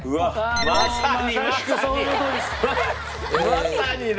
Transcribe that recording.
まさにだ。